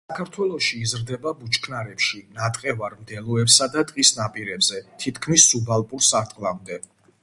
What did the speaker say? საქართველოში იზრდება ბუჩქნარებში, ნატყევარ მდელოებსა და ტყის პირებზე თითქმის სუბალპურ სარტყლამდე.